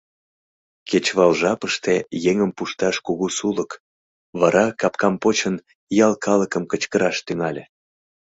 — Кечывал жапыште еҥым пушташ кугу сулык! — вара, капкам почын, ял калыкым кычкыраш тӱҥале.